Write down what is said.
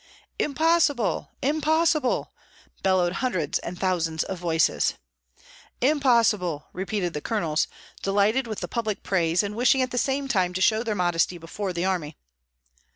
"Impossible! impossible!" bellowed hundreds and thousands of voices. "Impossible!" repeated the colonels, delighted with the public praise, and wishing at the same time to show their modesty before the army.